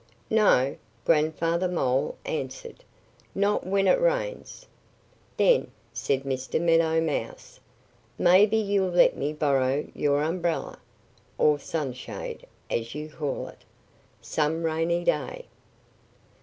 "No!" Grandfather Mole answered. "Not when it rains!" "Then," said Mr. Meadow Mouse, "maybe you'll let me borrow your umbrella (or sunshade, as you call it) some rainy day."